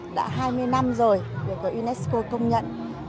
đã hai mươi năm rồi được unesco công nhận